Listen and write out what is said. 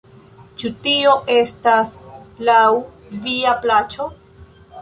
Ĉu tio estas laŭ via plaĉo?